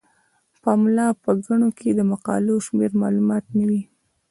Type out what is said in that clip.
د پملا په ګڼو کې د مقالو شمیر معلوم نه وي.